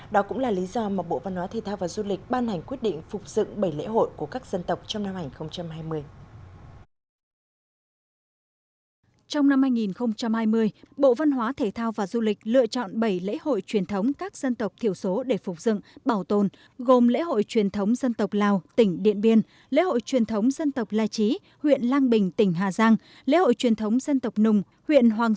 đó cũng là lý do mà bộ văn hóa thể thao và du lịch ban hành quyết định phục dựng bảy lễ hội của các dân tộc trong năm hai nghìn hai mươi